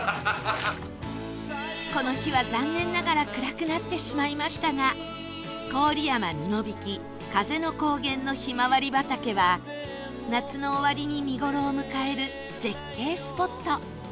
この日は残念ながら暗くなってしまいましたが郡山布引風の高原のひまわり畑は夏の終わりに見頃を迎える絶景スポット